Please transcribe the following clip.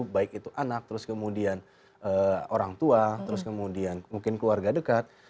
baik itu anak terus kemudian orang tua terus kemudian mungkin keluarga dekat